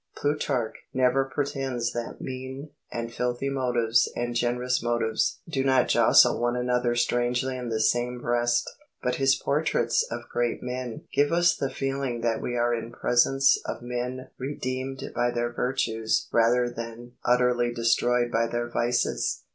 Plutarch never pretends that mean and filthy motives and generous motives do not jostle one another strangely in the same breast, but his portraits of great men give us the feeling that we are in presence of men redeemed by their virtues rather than utterly destroyed by their vices.